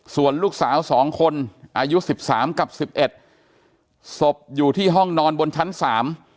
ส่วนลูกสาวสองคนอายุสิบสามกับสิบเอ็ดศพอยู่ที่ห้องนอนบนชั้นสาม